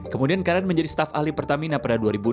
kemudian karen menjadi staf ahli pertamina pada dua ribu enam belas